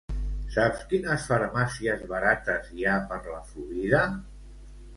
Saps quines farmàcies barates hi ha per la Florida?